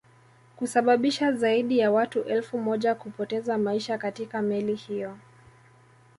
kusababisha zaidi ya watu elfu moja kupoteza maisha katika Meli hiyo